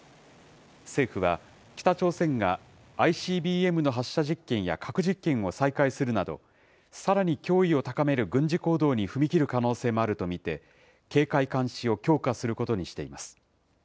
政府は、北朝鮮がＩＣＢＭの発射実験や核実験を再開するなど、さらに脅威を高める軍事行動に踏み切る可能性もあると見て、警戒、監視を強化することにしています。